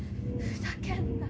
ふざけんな！！